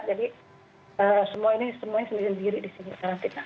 jadi semua ini semuanya sendiri sendiri di sini karantina